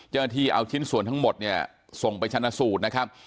เจ้าหน้าที่เอาชิ้นส่วนทั้งหมดเนี่ยส่งไปชนะสูตรนะครับ